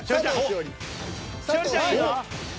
栞里ちゃんいいぞ。